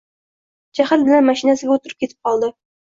Jahl bilan mashinasiga oʻtirib ketib qoldi.